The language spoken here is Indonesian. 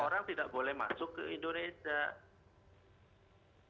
orang tidak boleh masuk ke indonesia